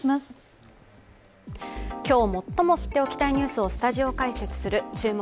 今日、最も知っておきたいニュースをスタジオ解説する「注目！